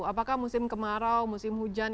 apakah musim kemarau musim hujan